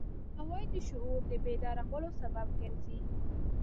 درناوی د شعور د بیدارولو سبب ګرځي.